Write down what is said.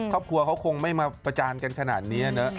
ครอบครัวเขาคงไม่มาประจานกันขนาดนี้นะ